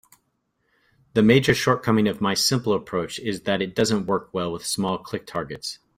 The major shortcoming of my simple approach is that it doesn't work well with small click targets.